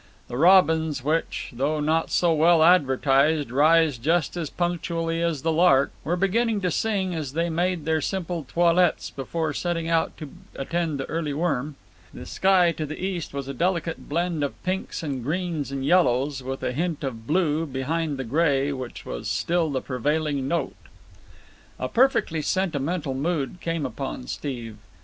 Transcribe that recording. The robins which, though not so well advertised, rise just as punctually as the lark, were beginning to sing as they made their simple toilets before setting out to attend to the early worm. The sky to the east was a delicate blend of pinks and greens and yellows, with a hint of blue behind the grey which was still the prevailing note. A vaguely sentimental mood came upon Steve.